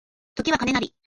時は金なり